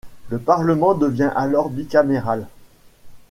Le parlement devient alors bicaméral.